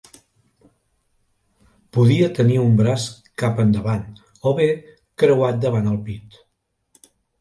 Podia tenir un braç cap endavant o bé creuat davant el pit.